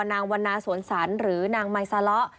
นางวรณาสวนศรหรือนางไมซาเลา